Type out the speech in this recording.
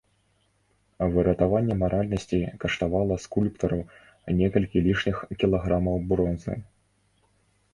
Выратаванне маральнасці каштавала скульптару некалькі лішніх кілаграмаў бронзы.